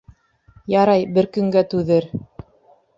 Ярай, бер көнгә түҙер.